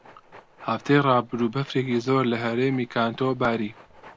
هەفتەی ڕابردوو بەفرێکی زۆر لە هەرێمی کانتۆ باری.